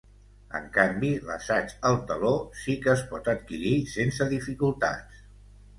En canvi, l’assaig El teló sí que es pot adquirir sense dificultats.